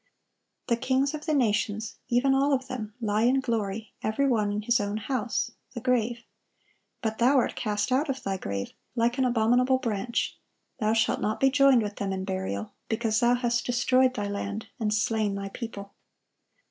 "The kings of the nations, even all of them, lie in glory, every one in his own house [the grave]. But thou art cast out of thy grave like an abominable branch.... Thou shalt not be joined with them in burial, because thou hast destroyed thy land, and slain thy people."